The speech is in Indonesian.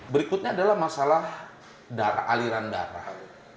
berikutnya adalah masalah aliran darah